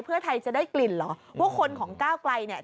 เพื่อไทยจะได้กลิ่นเหรอว่าคนของก้าวไกลเนี่ย